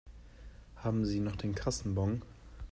Haben Sie noch den Kassenbon?